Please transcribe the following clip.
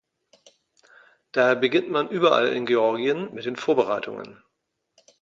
Daher beginnt man überall in Georgien mit den Vorbereitungen.